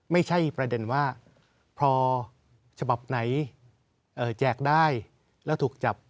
ไม่ใช่ประเด็นว่าพอฉบับไหนแจกได้แล้วถูกจับ